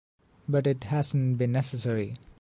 But it hasn’t been necessary.